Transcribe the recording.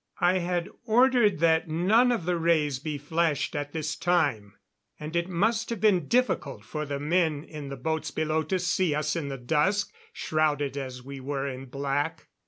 I had ordered that none of the rays be flashed at this time, and it must have been difficult for the men in the boats below to see us in the dusk, shrouded as we were in black.